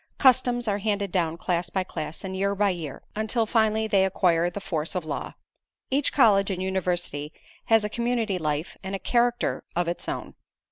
Customs are handed down class by class and year by year until finally they acquire the force of law. Each college and university has a community life and a character of its own.